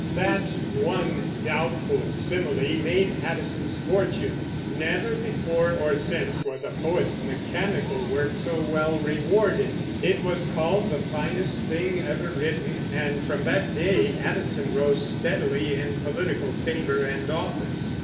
That one doubtful simile made Addison's fortune. Never before or since was a poet's mechanical work so well rewarded. It was called the finest thing ever written, and from that day Addison rose steadily in political favor and office.